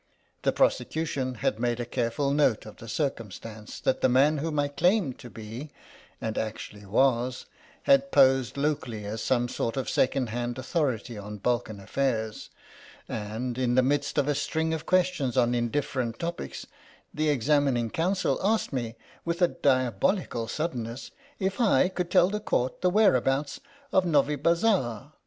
The prosecution had made a careful note of the circumstance that the man whom I claimed to be — and THE LOST SANJAK 23 actually was — had posed locally as some sort of second hand authority on Balkan affairs, and, in the midst of a string of questions on indifferent topics, the examining counsel asked me with a diabolical sudden ness if I could tell the Court the whereabouts of Novibazar.